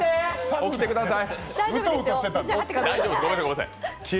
起きてください。